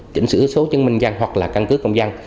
chỉnh sửa số chứng minh dân hoặc là căn cứ công dân